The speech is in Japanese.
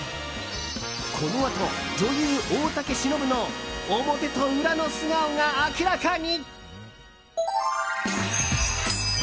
このあと、女優・大竹しのぶの表と裏の素顔が明らかに。